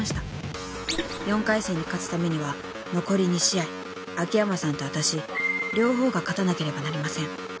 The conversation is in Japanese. ［４回戦を勝つためには残り２試合秋山さんとわたし両方が勝たなければなりません］